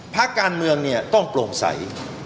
พักการเมืองเนี่ยต้องโปร่งใส